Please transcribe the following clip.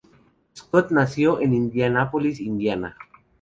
Scott nació en Indianápolis, Indiana.